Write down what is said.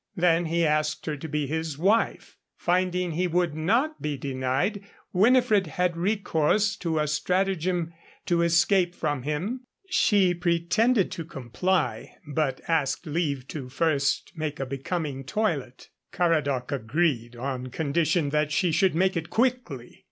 Then he asked her to be his wife. Finding he would not be denied, Winifred had recourse to a stratagem to escape from him: she pretended to comply, but asked leave to first make a becoming toilet. Caradoc agreed, on condition that she should make it quickly.